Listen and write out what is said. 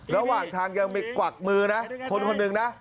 ระหว่างทางยังมีกวักมือนะคนคนหนึ่งนะ